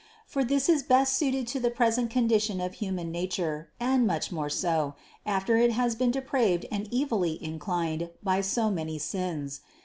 For this is best suited to the present condition of human nature, and much more so, after it has been depraved and evilly inclined by so many sins.